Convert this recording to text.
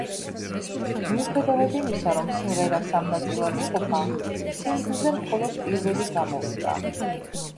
მიუხედავად იმისა, რომ სიმღერა სამ ნაწილად იყოფა, სინგლზე მხოლოდ პირველი გამოვიდა.